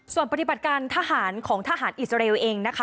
ส่วนปฏิบัติการทหารของทหารอิสราเอลเองนะคะ